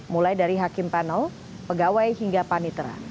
mulai dari hakim panel pegawai hingga panitera